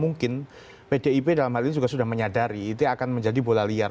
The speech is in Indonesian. mungkin pdip dalam hal ini juga sudah menyadari itu akan menjadi bola liar